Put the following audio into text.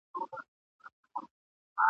په هر پوځ کي برتۍ سوي یو پلټن یو !.